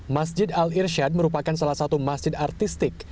masjid al irshad merupakan salah satu masjid artistik